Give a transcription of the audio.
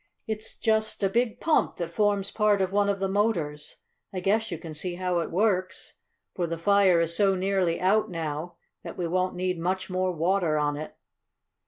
"It's just a big pump that forms part of one of the motors. I guess you can see how it works, for the fire is so nearly out now that we won't need much more water on it."